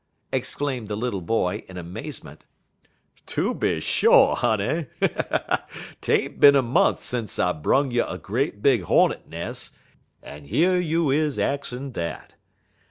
exclaimed the little boy, in amazement. "Tooby sho', honey. 'T ain't bin a mont' sence I brung you a great big hornet nes', en yer you is axin' dat.